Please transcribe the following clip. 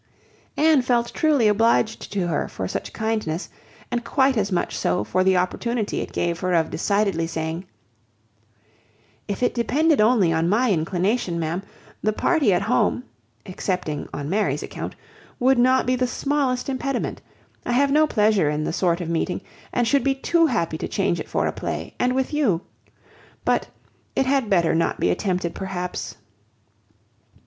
Anne felt truly obliged to her for such kindness; and quite as much so for the opportunity it gave her of decidedly saying— "If it depended only on my inclination, ma'am, the party at home (excepting on Mary's account) would not be the smallest impediment. I have no pleasure in the sort of meeting, and should be too happy to change it for a play, and with you. But, it had better not be attempted, perhaps."